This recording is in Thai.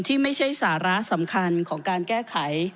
ที่ไม่ใช่สาระสำคัญของการแก้ไข